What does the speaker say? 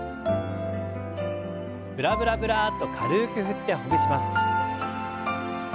ブラブラブラッと軽く振ってほぐします。